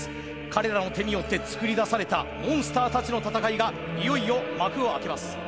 彼らの手によって作り出されたモンスターたちの戦いがいよいよ幕を開けます。